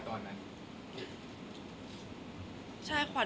แต่ขวัญไม่สามารถสวมเขาให้แม่ขวัญได้